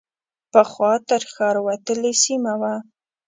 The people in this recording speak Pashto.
پخوا تر ښار وتلې سیمه وه.